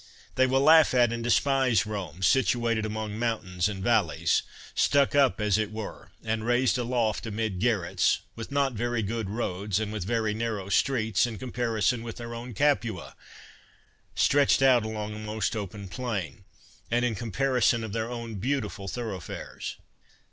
They will laugh at and despise Rome, situated among mountains and valleys, stuck up, as it were, and raised aloft, amid garrets, with not very good roads, and with very narrow streets, in comparison with their own Capua, stretched out along a most open plain, and in comparison of their own beautiful thoroughfares.